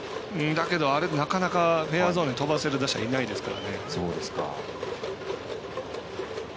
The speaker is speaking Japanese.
なかなか、フェアゾーンに飛ばせる打者、いないですから。